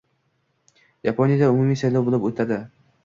Yaponiyada umumiy saylov bo‘lib o‘tading